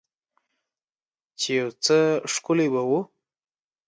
چې يو څه ښکلي به وو.